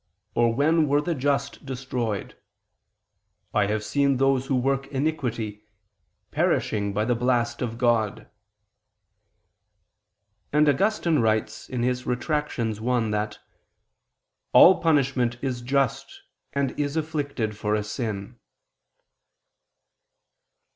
Or when were the just destroyed? On the contrary, I have seen those who work iniquity ... perishing by the blast of God"; and Augustine writes (Retract. i) that "all punishment is just, and is inflicted for a sin."